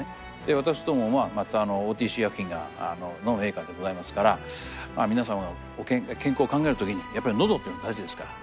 私どもはＯＴＣ医薬品のメーカーでございますから皆様の健康を考える時にやっぱりのどというのは大事ですから。